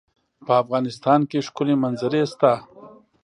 په افغانستان کې ښکلي منظرې شته.